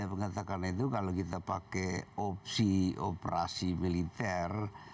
saya mengatakan itu kalau kita pakai opsi operasi militer